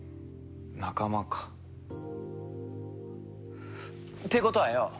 仲間か。ってことはよ